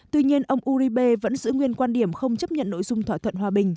tuy nhiên ông uribe vẫn giữ nguyên quan điểm không chấp nhận nội dung thỏa thuận hòa bình